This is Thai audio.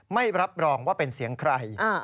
ไม่รับรองว่าเป็นเสียงใคร